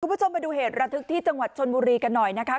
คุณผู้ชมไปดูเหตุระทึกที่จังหวัดชนบุรีกันหน่อยนะคะ